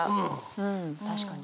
うん確かに。